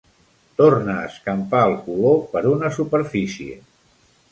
Torna a escampar el color per una superfície.